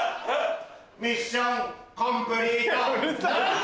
ミッションコンプリート。